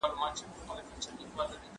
یوازې لږ دقت او هوښیارتیا پکار ده.